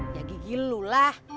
ya gigi lu lah